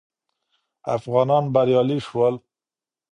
افغانان بریالي شول